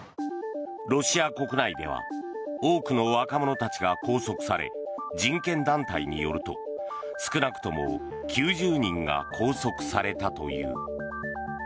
ロシア国内では多くの若者たちが拘束され人権団体によると少なくとも９０人が拘束されたという。